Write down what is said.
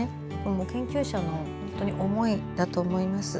研究者の思いだと思います。